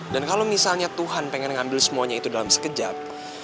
dan kalo misalnya tuhan pengen ngambil semuanya itu dalam sekejap